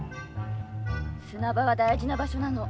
砂場は大事な場所なの。